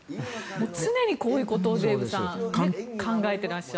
常にこういうことをデーブさん考えてらっしゃる。